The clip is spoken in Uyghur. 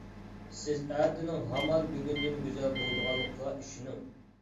سىز ئەتىنىڭ ھامان بۈگۈندىن گۈزەل بولىدىغانلىقىغا ئىشىنىڭ.